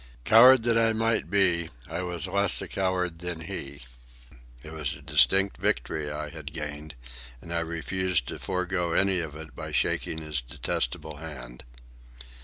Coward that I might be, I was less a coward than he. It was a distinct victory I had gained, and I refused to forego any of it by shaking his detestable hand.